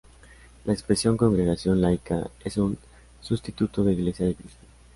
La expresión "congregación laica" es un sustituto de "iglesia de Cristo".